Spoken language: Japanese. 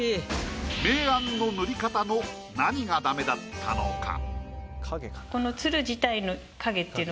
明暗の塗り方の何がダメだったのか？